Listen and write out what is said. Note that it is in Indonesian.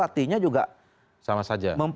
adalah orang yang jangan punya track record selama ini